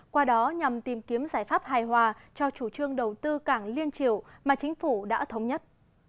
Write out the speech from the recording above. qua đó nhằm tìm kiếm giải pháp hài hòa cho chủ trương đầu tư cảng liên triều mà chính phủ đã thống nhất